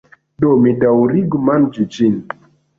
Do, mi daŭrigu manĝi ĝin.